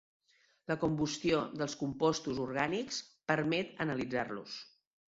La combustió dels compostos orgànics permet analitzar-los.